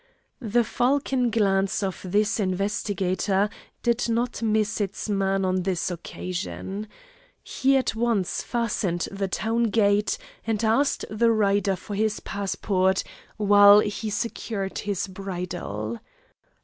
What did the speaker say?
The falcon glance of this investigator did not miss its man on this occasion. He at once fastened the town gate, and asked the rider for his passport while he secured his bridle.